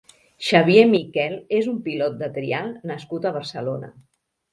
Xavier Miquel és un pilot de trial nascut a Barcelona.